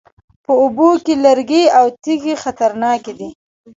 په اوبو کې لرګي او تیږې خطرناکې دي